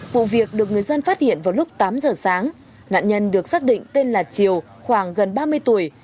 vụ việc được người dân phát hiện vào lúc tám giờ sáng nạn nhân được xác định tên là triều khoảng gần ba mươi tuổi